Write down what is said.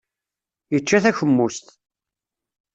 Yečča takemust.